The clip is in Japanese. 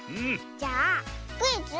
じゃあクイズ